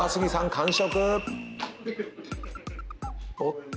完食！